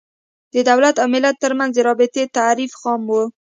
د دولت او ملت تر منځ د رابطې تعریف خام و.